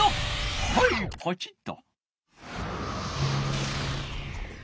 はいポチッと。